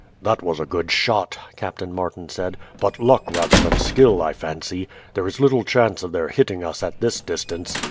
"That was a good shot," Captain Martin said; "but luck rather than skill I fancy. There is little chance of their hitting us at this distance.